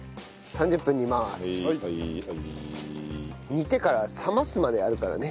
煮てから冷ますまであるからね。